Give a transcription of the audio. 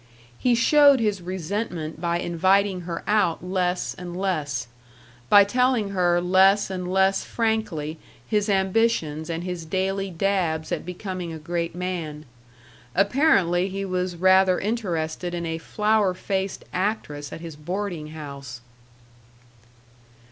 He showed his resentment by inviting her out less and less, by telling her less and less frankly his ambitions and his daily dabs at becoming a great man. Apparently he was rather interested in a flour faced actress at his boarding house.